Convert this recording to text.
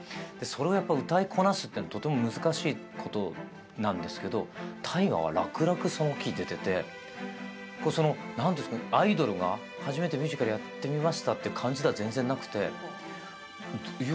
それをやっぱり歌いこなすってとても難しいことなんですけど大我は楽々そのキー出ててなんというかアイドルが初めてミュージカルやってみましたって感じでは全然なくて。